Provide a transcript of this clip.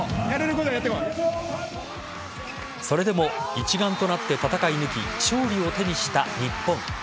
それでも一丸となって戦い抜き勝利を手にした日本。